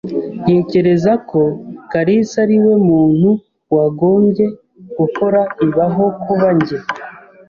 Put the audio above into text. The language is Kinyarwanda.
Ntekereza ko kalisa ariwe muntu wagombye gukora ibi aho kuba njye.